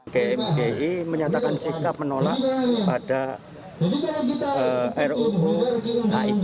gmi menyatakan sikap menolak pada ruu hip